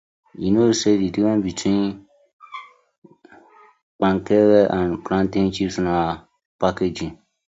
Yu no kno say di difference between Kpekere and plantain chips na packaging.